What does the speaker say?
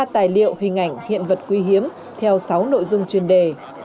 một trăm hai mươi ba tài liệu hình ảnh hiện vật quý hiếm theo sáu nội dung chuyên đề